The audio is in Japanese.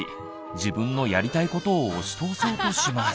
自分のやりたいことを押し通そうとします。